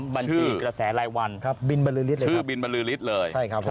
บัญชีกระแสไร้วันบินบริษัทชื่อบินบริษัทเลย